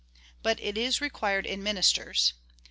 But it is i^equired in ministeis.